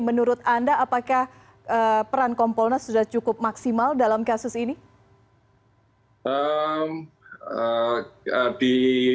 menurut anda apakah peran kompolnas sudah cukup maksimal dalam kasus ini